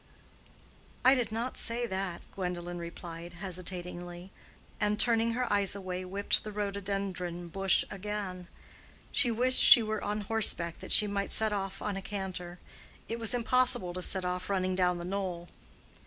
"I did not say that," Gwendolen replied, hesitatingly, and turning her eyes away whipped the rhododendron bush again. She wished she were on horseback that she might set off on a canter. It was impossible to set off running down the knoll.